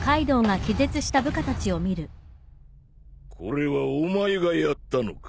これはお前がやったのか？